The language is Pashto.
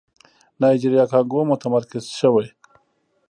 نایجيريا کانګو متمرکز شوی.